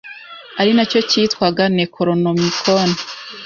ari nacyo kitwaga “nekoronomikoni